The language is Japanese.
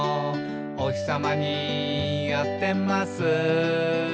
「おひさまに当てます」